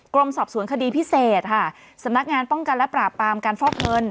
กรมสอบสวนคดีพิเศษค่ะสำนักงานป้องกันและปราบปรามการฟอกเงิน